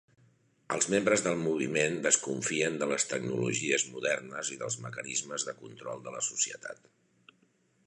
Els membres del moviment desconfien de les tecnologies modernes i dels mecanismes de control de la societat.